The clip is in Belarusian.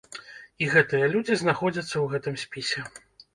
І гэтыя людзі знаходзяцца ў гэтым спісе.